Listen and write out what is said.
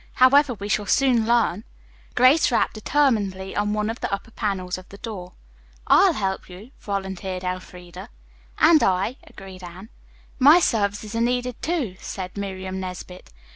However, we shall soon learn." Grace rapped determinedly on one of the upper panels of the door. "I'll help you," volunteered Elfreda. "And I," agreed Anne. "My services are needed, too," said Miriam Nesbit.